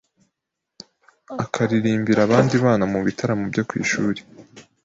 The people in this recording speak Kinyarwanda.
akaririmbira abandi bana mu bitaramo byo ku ishuri